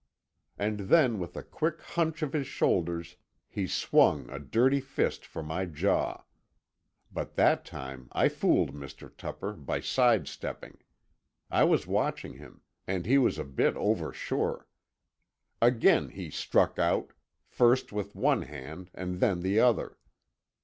And then with a quick hunch of his shoulders he swung a dirty fist for my jaw. But that time I fooled Mr. Tupper by sidestepping; I was watching him, and he was a bit oversure. Again he struck out, first with one hand and then the other.